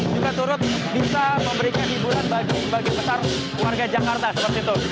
juga turut bisa memberikan hiburan bagi petarung warga jakarta seperti itu